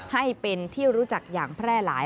ให้เป็นที่รู้จักอย่างแพร่หลาย